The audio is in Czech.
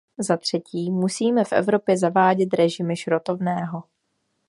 Za třetí, musíme v Evropě zavádět režimy šrotovného.